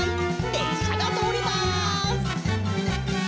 れっしゃがとおります！